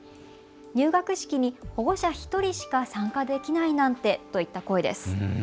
入学式に保護者１人しか参加できないなんてといった声です。